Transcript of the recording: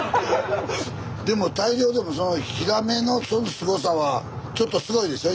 でも大漁でもそのヒラメのすごさはちょっとすごいでしょ？